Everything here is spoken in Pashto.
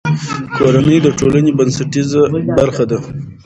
کورنۍ د ټولنې بنسټیزه برخه ده.